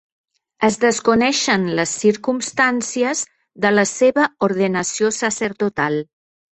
Es desconeixen les circumstàncies de la seva ordenació sacerdotal.